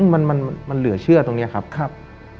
มันเหลือเชื่อตรงนี้ครับ